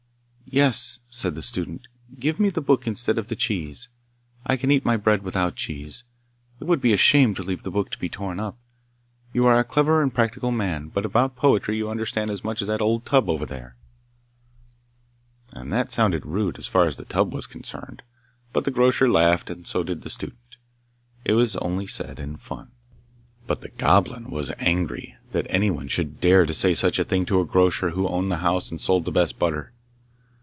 'Yes,' said the student, 'give me the book instead of the cheese. I can eat my bread without cheese. It would be a shame to leave the book to be torn up. You are a clever and practical man, but about poetry you understand as much as that old tub over there!' And that sounded rude as far as the tub was concerned, but the grocer laughed, and so did the student. It was only said in fun. But the Goblin was angry that anyone should dare to say such a thing to a grocer who owned the house and sold the best butter.